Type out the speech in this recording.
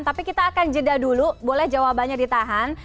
tapi kita akan jeda dulu boleh jawabannya ditahan